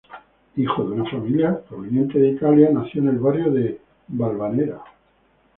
Hijo de una familia proveniente de Italia, nació en el barrio de Balvanera.